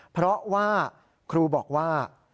เพราะว่าครูบอกว่า